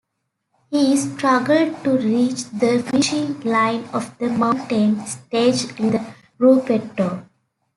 He struggled to reach the finishing line of the mountain stages in the gruppetto.